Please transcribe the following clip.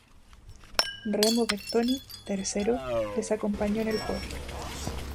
Remo Bertoni, tercero, les acompañó en el podio.